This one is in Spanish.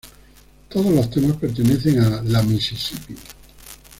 Todos los temas pertenecen a La Mississippi.